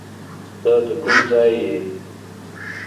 ته د کوم ځای یې؟